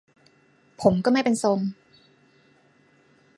ผมก็ไม่เป็นทรง